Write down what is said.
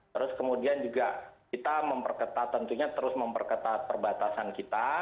terus kemudian juga kita memperketat tentunya terus memperketat perbatasan kita